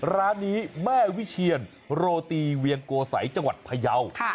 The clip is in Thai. ร้านนี้แม่วิเชียนโรตีเวียงโกสัยจังหวัดพยาว